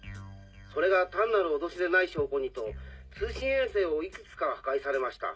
それが単なる脅しでない証拠にと通信衛星をいくつか破壊されました。